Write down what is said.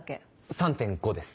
３．５です。